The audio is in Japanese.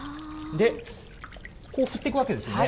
で、こう振っていくわけですよね。